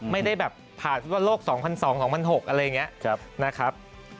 ไม่ได้แบบผ่านฟุตบอลโลก๒๐๐๒๒๐๐๖อะไรอย่างนี้นะครับ